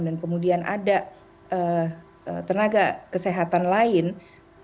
dan kemudian ada tenaga kesehatan lainnya